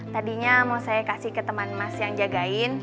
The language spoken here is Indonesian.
tadinya mau saya kasih ke teman mas yang jagain